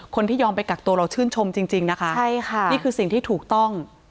คนที่ยอมไปกักตัวเราชื่นชมจริงจริงนะคะใช่ค่ะนี่คือสิ่งที่ถูกต้อง